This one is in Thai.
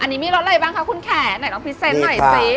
อันนี้มีรสอะไรบ้างคะคุณแขไหนลองพีเซนต์หน่อยสิ